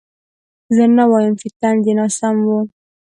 زه نه وایم چې طنز یې ناسم و.